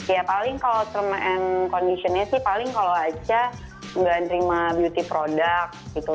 ya paling kalau term and condition nya sih paling kalau aca gak terima beauty product gitu